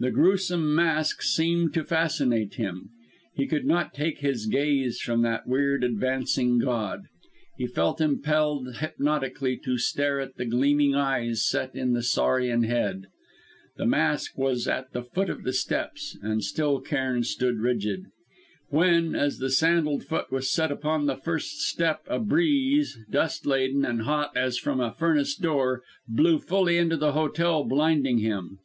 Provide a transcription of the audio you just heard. The gruesome mask seemed to fascinate him; he could not take his gaze from that weird advancing god; he felt impelled hypnotically to stare at the gleaming eyes set in the saurian head. The mask was at the foot of the steps, and still Cairn stood rigid. When, as the sandalled foot was set upon the first step, a breeze, dust laden, and hot as from a furnace door, blew fully into the hotel, blinding him.